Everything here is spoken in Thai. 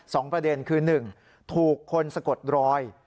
สองประเด็นคือหนึ่งถูกคนสะกดรอย